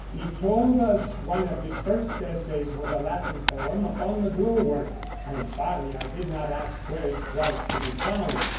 He told us one of his first essays was a Latin poem upon the glowworm: I am sorry I did not ask where it was to be found.